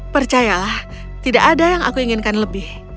percayalah tidak ada yang aku inginkan lebih